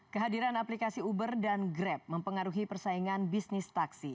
kehadiran aplikasi uber dan grab mempengaruhi persaingan bisnis taksi